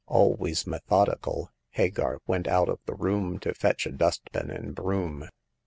Always methodical, Hagar went out of the room to fetch a dust pan and broom.